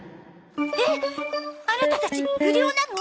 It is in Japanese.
えっアナタたち不良なの？